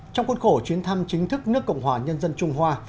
trong cuốn khổ chuyến thăm chính thức nước cộng hòa nhân dân trung hoa